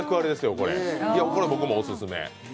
これ、僕もオススメ。